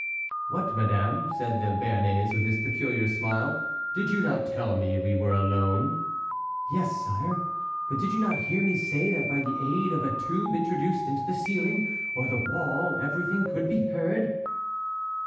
"What, madame," said the Béarnais, with his peculiar smile, "did you not tell me we were alone?" "Yes, sire; but did you not hear me say that by the aid of a tube introduced into the ceiling or the wall everything could be heard?"